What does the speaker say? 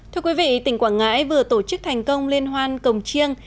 thưa quý vị tỉnh quảng ngãi vừa tổ chức thành công liên hoan cổng chiêng